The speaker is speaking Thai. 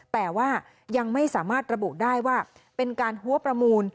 แต่ว่ายังไม่สามารถระบุได้ว่าเป็นการหัวประมูล